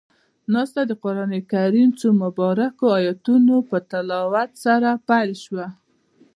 ناسته د قرآن کريم څو مبارکو آیتونو پۀ تلاوت سره پيل شوه.